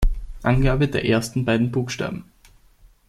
Angabe der ersten beiden Buchstaben